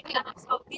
di arab saudi